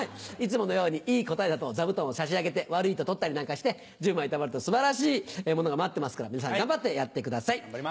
いつものようにいい答えだと座布団を差し上げて悪いと取ったりなんかして１０枚たまると素晴らしいものが待ってますから皆さん頑張ってやってください。